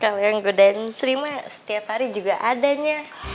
kalau yang godain sri mah setiap hari juga adanya